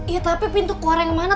ya tapi pintu keluar yang mana